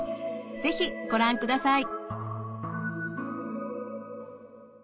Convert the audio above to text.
是非ご覧ください。